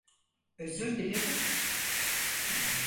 Özür diledim.